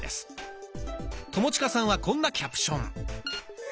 友近さんはこんなキャプション。